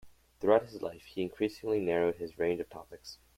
Throughout his life, he increasingly narrowed his range of topics.